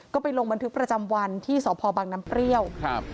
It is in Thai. ก็ไปลงบันทึกประจำวันที่สพบังน้ำเปรี้ยวครับ